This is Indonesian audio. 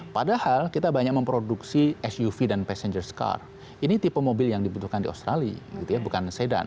padahal kita banyak memproduksi suv dan passengers car ini tipe mobil yang dibutuhkan di australia bukan sedan